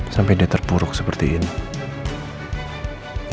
sampai dia terpuruk seperti ini